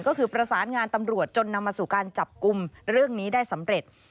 ก็คือประสานงานตำรวจจนนำมาสู่การจับกลุ่มเรื่องนี้ได้สำเร็จ